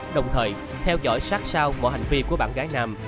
đồng thời theo dõi sát sao mọi hành vi của bạn gái nam